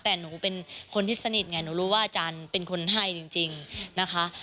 แต่หนูเป็นคนที่สนิทไงหนูรู้ว่าอาจารย์เป็นคนให้จริงนะคะ